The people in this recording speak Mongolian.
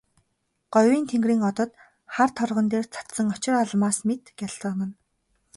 Говийн тэнгэрийн одод хар торгон дээр цацсан очир алмаас мэт гялтганан.